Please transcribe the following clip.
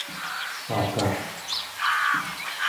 ตอบกลับ